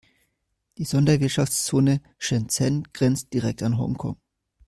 Die Sonderwirtschaftszone Shenzhen grenzt direkt an Hongkong.